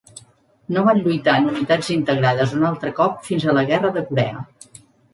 No van lluitar en unitats integrades un altre cop fins a la guerra de Corea.